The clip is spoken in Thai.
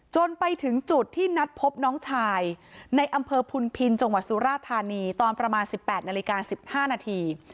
จนไปถึงจุดที่นัดพบน้องชายในอำเภอพุนพินจังหวัดสุราธานีตอนประมาณ๑๘นาฬิกา๑๕นาที